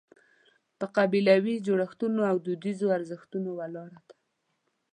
په قبیلوي جوړښتونو او دودیزو ارزښتونو ولاړه ده.